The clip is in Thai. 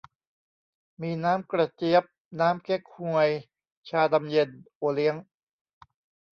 มีน้ำกระเจี๊ยบ น้ำเก๊กฮวย ชาดำเย็น โอเลี้ยง